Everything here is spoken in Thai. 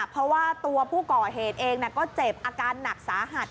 เพราะว่าตัวผู้ก่อเหตุเองก็เจ็บอาการหนักสาหัส